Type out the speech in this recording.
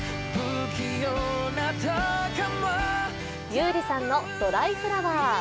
優里さんの「ドライフラワー」。